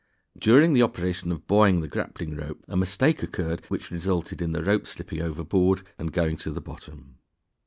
During the operation of buoying the grappling rope, a mistake occurred which resulted in the rope slipping overboard and going to the bottom.